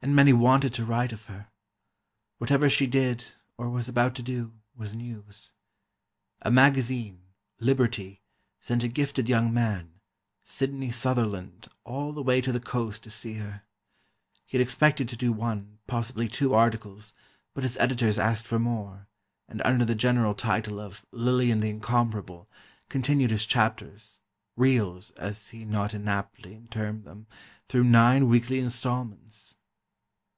And many wanted to write of her. Whatever she did, or was about to do, was news. A magazine, Liberty, sent a gifted young man, Sidney Sutherland, all the way to the Coast to see her. He had expected to do one, possibly two, articles, but his editors asked for more, and under the general title of "Lillian the Incomparable" continued his chapters—"reels" as he not inaptly termed them—through nine weekly installments!